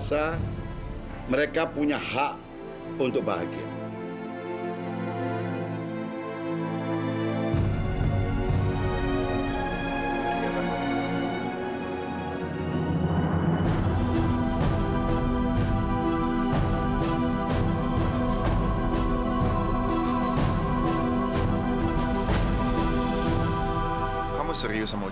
sekalipun keputusan kamu itu belum kayak mama